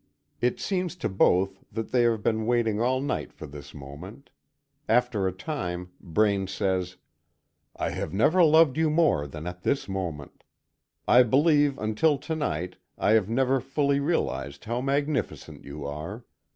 It seems to both that they have been waiting all night for this moment. After a time, Braine says: "I have never loved you more than at this moment. I believe until to night I have never fully realized how magnificent you are.